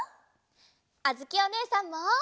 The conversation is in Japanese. あづきおねえさんも！